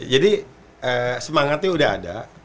jadi semangatnya udah ada